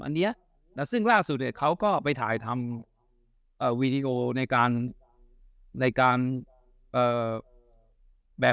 อันนี้ซึ่งล่าสุดเนี่ยเขาก็ไปถ่ายทำวีดีโอในการในการแบบ